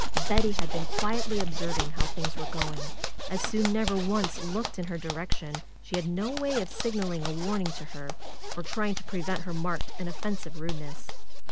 Betty had been quietly observing how things were going. As Sue never once looked in her direction she had no way of signaling a warning to her or trying to prevent her marked and offensive rudeness.